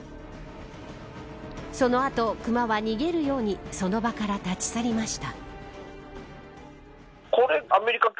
その後、熊は逃げるようにその場から立ち去りました。